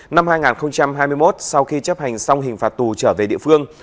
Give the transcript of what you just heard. năm hai nghìn hai mươi một sau khi chấp hành xong hình phạt tù trở về địa phương